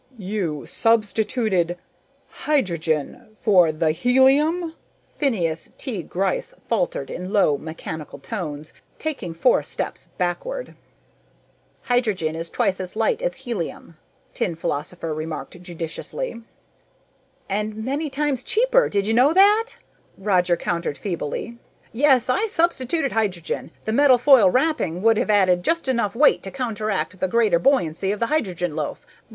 "You substituted ... hydrogen ... for the ... helium?" Phineas T. Gryce faltered in low mechanical tones, taking four steps backward. "Hydrogen is twice as light as helium," Tin Philosopher remarked judiciously. "And many times cheaper did you know that?" Roger countered feebly. "Yes, I substituted hydrogen. The metal foil wrapping would have added just enough weight to counteract the greater buoyancy of the hydrogen loaf.